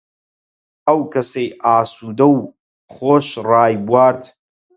ئەو کەسەی ئاسوودەو و خۆش ڕایبوارد،